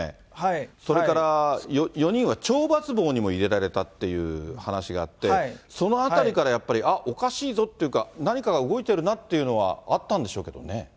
それから４人は懲罰房にも入れられたっていう話があって、そのあたりからやっぱり、あっ、おかしいぞっていうか、何かが動いてるなっていうのはあったんでしょうけどね。